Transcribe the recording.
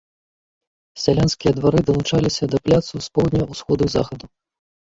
Сялянскія двары далучаліся да пляцу з поўдня, усходу і захаду.